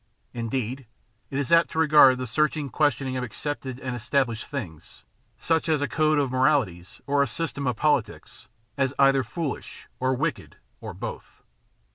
Indeed, it is apt to regard the searching questioning of accepted and established things, such as a code of moralities or a system of politics, as either foolish or wicked or both.